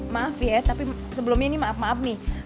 maaf ya tapi sebelumnya ini maaf maaf nih